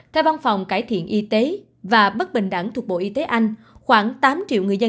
theo văn phòng cải thiện y tế và bất bình đẳng thuộc bộ y tế anh khoảng tám triệu người dân